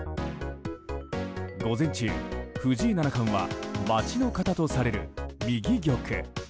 午前中、藤井七冠は待ちの型とされる右玉。